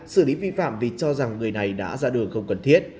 xử lý vi phạm vì cho rằng người này đã ra đường không cần thiết